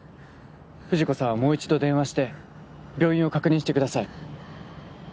藤子さんはもう一度電話して病院を確認してください。